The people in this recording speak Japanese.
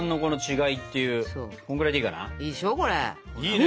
いいね！